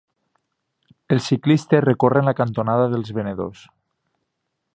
Els ciclistes recorren la cantonada dels venedors.